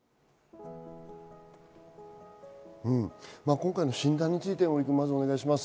今回の診断についてお願いします。